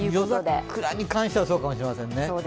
夜桜に関してはそうかもしれませんね。